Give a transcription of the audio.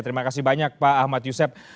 terima kasih banyak pak ahmad yusef